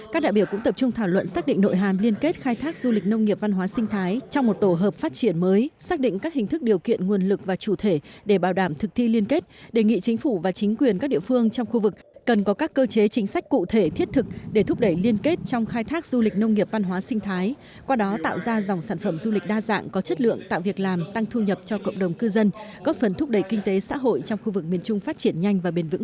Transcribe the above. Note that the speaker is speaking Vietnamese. các đại biểu cũng tập trung thảo luận xác định nội hàm liên kết khai thác du lịch nông nghiệp văn hóa sinh thái trong một tổ hợp phát triển mới xác định các hình thức điều kiện nguồn lực và chủ thể để bảo đảm thực thi liên kết đề nghị chính phủ và chính quyền các địa phương trong khu vực cần có các cơ chế chính sách cụ thể thiết thực để thúc đẩy liên kết trong khai thác du lịch nông nghiệp văn hóa sinh thái qua đó tạo ra dòng sản phẩm du lịch đa dạng có chất lượng tạo việc làm tăng thu nhập cho cộng đồng cư dân